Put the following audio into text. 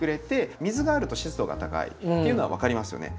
水があると湿度が高いっていうのは分かりますよね。